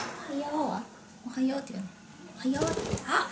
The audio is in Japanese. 「おはよう」ってあっ！